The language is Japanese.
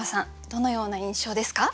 どのような印象ですか？